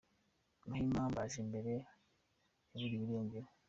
Muhima Mbanjimbere yaburiwe irengero